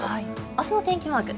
明日の天気マーク